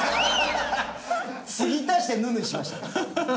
継ぎ足して「ぬ」にしました。